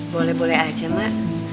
boleh boleh aja emak